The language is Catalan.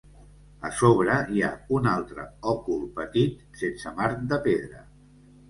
A sobre hi ha un altre òcul petit sense marc de pedra.